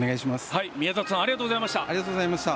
宮里さんありがとうございました。